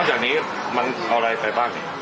นอกจากนี้มันเอาอะไรไปบ้างเนี่ย